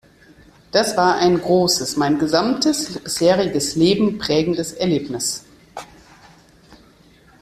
Das war ein großes, mein gesamtes bisheriges Leben prägendes Erlebnis.